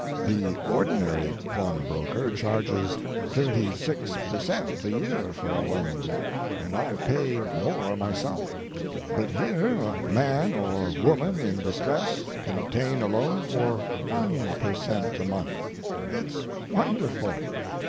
The ordinary pawnbroker charges thirty six per cent. a year for a loan, and I've paid more myself, but here a man or woman in distress can obtain a loan for one per cent. a month! It's wonderful!